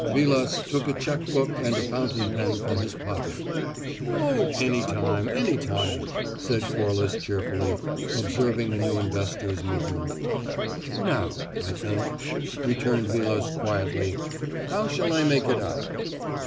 Vilas took a cheque book and a fountain pen from his pocket. "Oh, any time, any time," said Corliss cheerfully, observing the new investor's movement. "Now, I think," returned Vilas quietly. "How shall I make it out?"